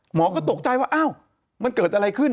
หมอก็ตกใจว่าอ้าวมันเกิดอะไรขึ้น